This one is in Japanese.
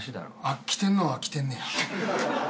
あっ来てんのは来てんねや。